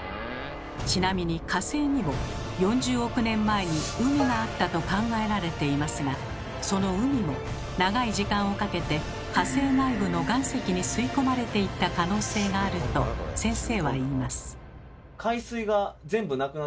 ちなみに火星にも４０億年前に海があったと考えられていますがその海も長い時間をかけて火星内部の岩石に吸いこまれていった可能性があると先生は言います。